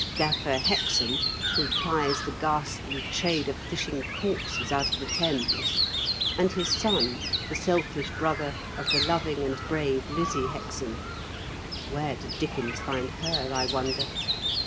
Gaffer Hexam, who plies the ghastly trade of fishing corpses out of the Thames, and his son, the selfish brother of the loving and brave Lizzie Hexam — where did Dickens find her, I wonder?